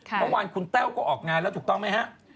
เมื่อวานคุณแต้วก็ออกงานแล้วถูกต้องไหมฮะ